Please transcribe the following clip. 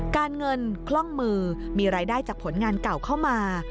การเงินคล่องมือมีรายได้จากผลงานเก่าเข้ามา